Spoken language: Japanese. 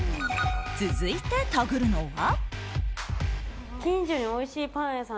続いてタグるのは。